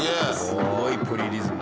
すごいポリリズム。